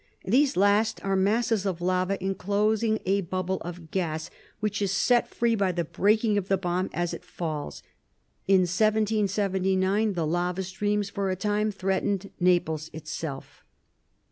These last are masses of lava enclosing a bubble of gas, which is set free by the breaking of the bomb as it falls. In 1779 the lava streams for a time threatened Naples itself.